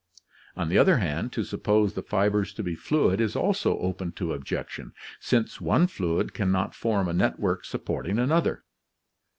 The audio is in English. On the other hand, to suppose the fibers to be fluid is also open to objection, since one fluid can not form a network supporting another.